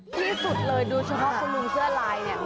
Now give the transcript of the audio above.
ที่สุดเลยดูเฉพาะคุณลุงเสื้อลายเนี่ย